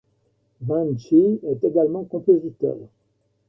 Van Schie est également compositeur.